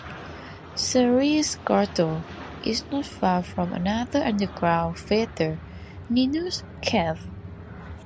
Xerri's Grotto is not far from another underground feature, Ninu's Cave.